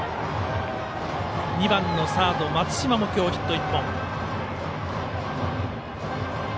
２番のサード、松嶋も今日ヒット１本。